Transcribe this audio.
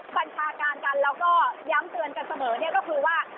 บัญชาการกันแล้วก็ย้ำเตือนกันเสมอเนี่ยก็คือว่า